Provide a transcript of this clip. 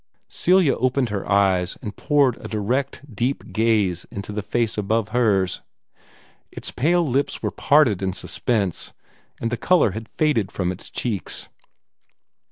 Celia opened her eyes, and poured a direct, deep gaze into the face above hers. Its pale lips were parted in suspense, and the color had faded from its cheeks.